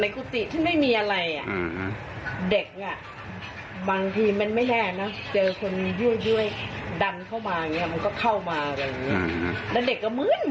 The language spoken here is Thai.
ท่านไม่มีความถิ่นเรามีการไปกดอะไรท่าน